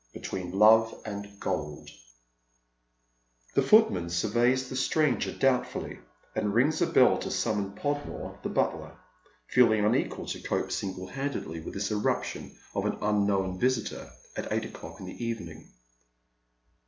BETWEEN LOVE AND GOLDl The footman surveys the stranger doubtfully, and rings a bell to summon Podmore the butler, feeling unequal to cope single Between Love and Gold. ITS handed with this eruption of an unknown visitor at eight o'clock in the evening.